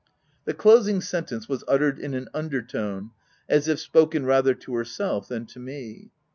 The closing sentence was uttered in an under tone, as it' spoken rather to herself than to me.